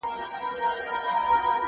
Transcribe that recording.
پخوانیو زمانو کي یو دهقان وو؛